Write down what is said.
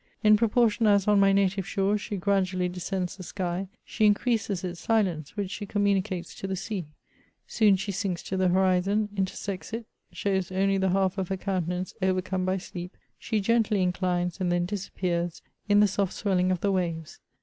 In psoportion as, on my native shores, she gradually descends the sky, she increases its silence, which she communicates to the sea ; soon she sinks to the horizon, intersects it, shows only the half of her countenance overcome by sleep, she gently inclines, and then disappears in the s(^ swelling of the waves.